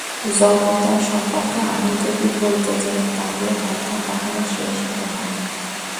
জগুদা সম্পর্কে আমি যদি বলতে যাই, তাহলে কথা কখনো শেষ হবে না।